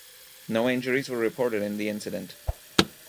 No injuries were reported in the incident.